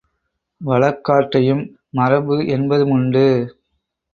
வழக்காற்றையும் மரபு என்பதுமுண்டு.